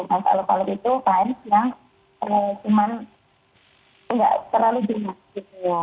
mas alut alut itu kain yang cuman tidak terlalu jenis gitu ya